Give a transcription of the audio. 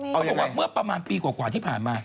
เขาบอกว่าเมื่อประมาณปีกว่าที่ผ่านมา